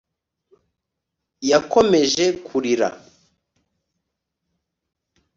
Yakomeje kurira